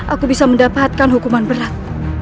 aku bisa mendapatkan hukuman berat